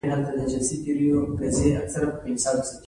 ورور م ولاړ؛ لاس مې غوټ پرې شو.